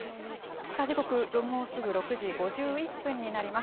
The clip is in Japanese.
時刻、もうすぐ６時５１分になります。